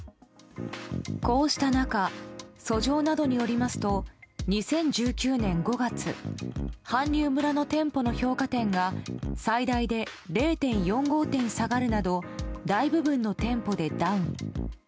こうした中訴状などによりますと２０１９年５月韓流村の店舗の評価点が最大で０．４５点下がるなど大部分の店舗でダウン。